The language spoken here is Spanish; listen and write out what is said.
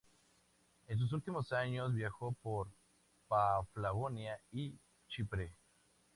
En sus últimos años viajó por Paflagonia y Chipre.